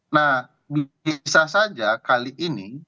nah bisa saja kali ini